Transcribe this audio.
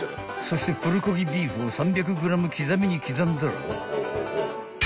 ［そしてプルコギビーフを３００ｇ刻みに刻んだら］